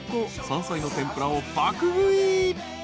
山菜の天ぷらを爆食い］